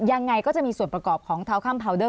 ยังไงก็จะมีส่วนประกอบของทาวน์ค่ำพาวเดอร์